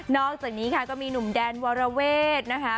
อกจากนี้ค่ะก็มีหนุ่มแดนวรเวทนะคะ